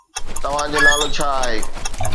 توهان جو نالو ڇا آهي؟